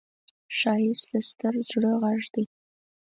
ښایست د ستر زړه غږ دی